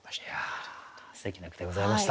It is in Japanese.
すてきな句でございました。